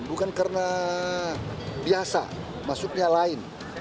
bukan karena biasa masuknya lain